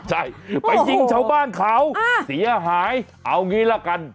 ใช่ไปยิงชาวบ้านเขาเสียหายเอางี้ละกัน